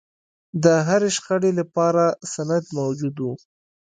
د هرې شخړې لپاره سند موجود و.